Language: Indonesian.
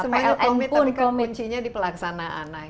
semua itu komit tapi kan kuncinya di pelaksanaan akhirnya